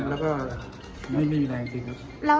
แล้วก็ไม่มีแรงจริงครับ